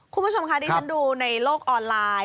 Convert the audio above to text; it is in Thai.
คุณผู้ชมคะที่ฉันดูในโลกออนไลน์